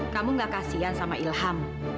kamu gak kasian sama ilham